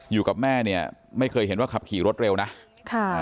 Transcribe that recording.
อยู่กับแม่ไม่เคยเห็นว่าขับขี่รถเร็วนะ